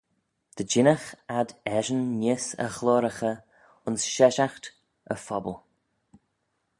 Dy jinnagh ad eshyn neesht y ghloyraghey ayns sheshaght y phobble.